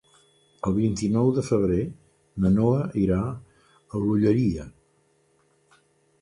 El vint-i-nou de febrer na Noa irà a l'Olleria.